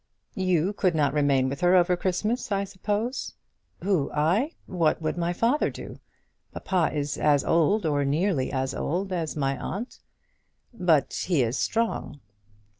"You could not remain with her over Christmas, I suppose?" "Who, I? What would my father do? Papa is as old, or nearly as old, as my aunt." "But he is strong."